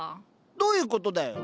どういうことだよ？